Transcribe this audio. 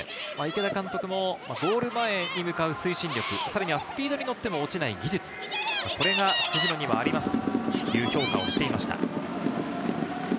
池田監督もゴール前に向かう推進力、スピードに乗っても落ちない技術、これが藤野にはありますと評価していました。